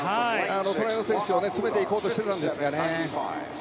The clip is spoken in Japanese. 隣の選手に詰めていこうと思ったんですけどね。